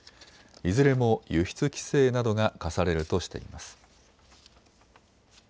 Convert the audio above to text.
いずれも輸出規制などが科されるとしています。